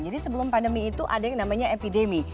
jadi sebelum pandemi itu ada yang namanya epidemi